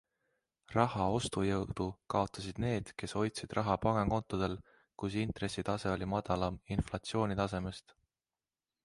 Raha ostujõudu kaotasid need, kes hoidsid raha pangakontodel, kus intressitase oli madalam inflatsioonitasemest.